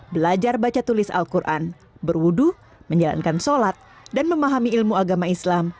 belajar baca tulis al quran berwudu menjalankan sholat dan memahami ilmu agama islam